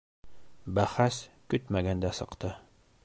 Бәхәс көтмәгәндә сыҡты.